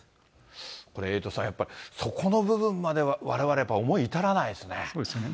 これ、エイトさん、そこの部分までは、われわれ、やっぱ思い至らないですよね。